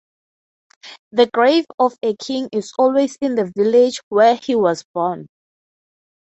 The grave of a king is always in the village where he was born.